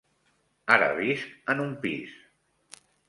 Ara visc en un pis.